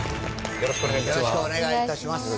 よろしくお願いします。